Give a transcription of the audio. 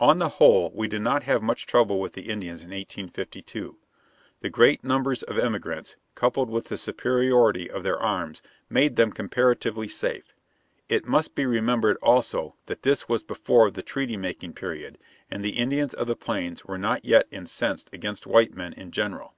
On the whole, we did not have much trouble with the Indians in 1852. The great numbers of the emigrants, coupled with the superiority of their arms, made them comparatively safe. It must be remembered, also, that this was before the treaty making period, and the Indians of the Plains were not yet incensed against white men in general.